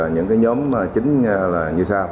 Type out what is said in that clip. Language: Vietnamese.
những nhóm chính là như sau